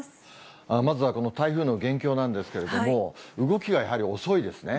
まずはこの台風の現況なんですけれども、動きがやはり遅いですね。